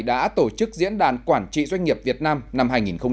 đã tổ chức diễn đàn quản trị doanh nghiệp việt nam năm hai nghìn một mươi chín